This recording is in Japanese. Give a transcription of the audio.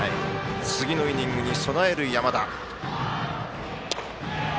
次のイニングに備える山田。